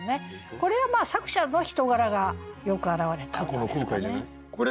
これは作者の人柄がよく表れた歌ですかね。